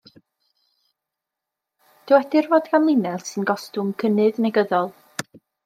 Dywedir fod gan linell sy'n gostwng gynnydd negyddol.